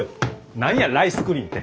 何やライスクリンて。